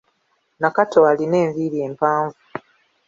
Nakato alina enviiri empanvu.